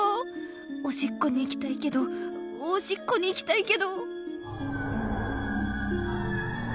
おしっこに行きたいけどおしっこに行きたいけど。